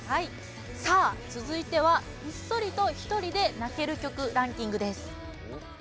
さあ続いては「ひっそりとひとりで泣ける曲」ランキングです。